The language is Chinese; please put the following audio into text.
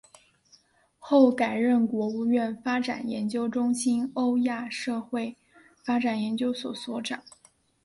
后改任国务院发展研究中心欧亚社会发展研究所所长。